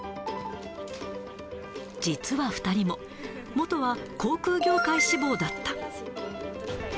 実は２人ももとは航空業界志望だった。